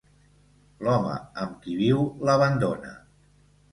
L'home amb qui viu l'abandona.